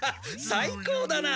最高だな。